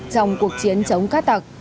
trong cuộc chiến chống cát tạc